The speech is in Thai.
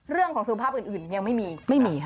เรื่องของสุขภาพอื่นยังไม่มี